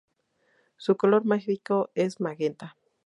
Su color mágico es magenta.